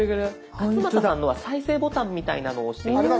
勝俣さんのは再生ボタンみたいなのを押して頂くと。